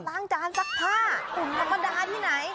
ล้างจานสักท่าธรรมดาที่ไหน